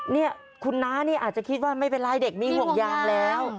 นี่คุณน้านี่อาจจะคิดว่าไม่เป็นไรเด็กมีห่วงยางแล้ว